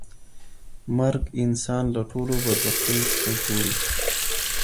مرګ انسان له ټولو بدبختیو څخه ژغوري.